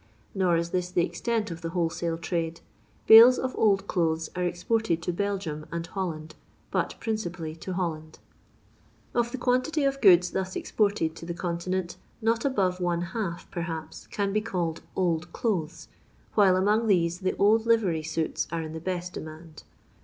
Nor is this the extent of the wholesale trade. Bales of old clothes are exported to Belgium and Holland, but principally to Holland. Of the quantity of gocds thus exported to the Continent not above one half, perhaps, can bo called old clothes, while among these the old livery suits are in the best demand.